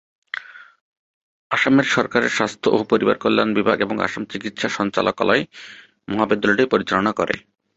আসামের সরকারের স্বাস্থ্য ও পরিবার কল্যাণ বিভাগ এবং আসাম চিকিৎসা সঞ্চালকালয় মহাবিদ্যালয়টি পরিচালনা করে।